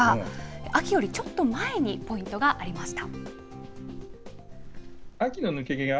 秋よりちょっと前にポイントがありました。